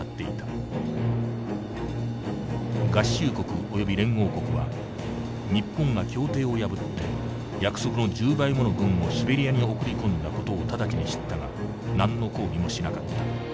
合衆国および連合国は日本が協定を破って約束の１０倍もの軍をシベリアに送り込んだ事を直ちに知ったが何の抗議もしなかった。